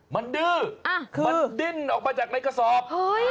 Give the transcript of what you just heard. มันดื้อมันดิ้นออกมาจากในกระสอบ